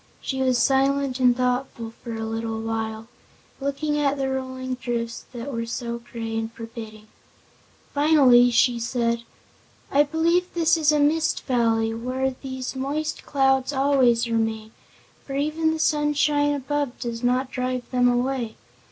She was silent and thoughtful for a little while, looking at the rolling drifts that were so gray and forbidding. Finally she said: "I believe this is a Mist Valley, where these moist clouds always remain, for even the sunshine above does not drive them away.